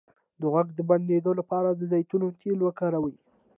د غوږ د بندیدو لپاره د زیتون تېل وکاروئ